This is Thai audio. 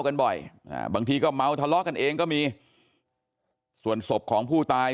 กันบ่อยอ่าบางทีก็เมาทะเลาะกันเองก็มีส่วนศพของผู้ตาย